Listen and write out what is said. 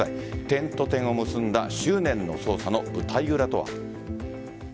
点と点を結んだ執念の捜査の舞台裏とは。